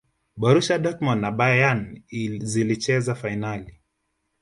borusia dortmund na bayern zilicheza fainali